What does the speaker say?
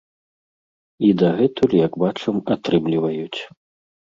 І дагэтуль, як бачым, атрымліваюць.